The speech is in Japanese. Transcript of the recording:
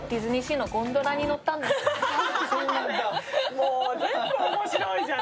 もう、全部面白いじゃん。